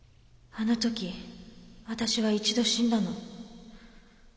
あの時私は一度死んだの。